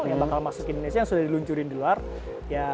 yang bakal masuk ke indonesia yang sudah diluncurin di luar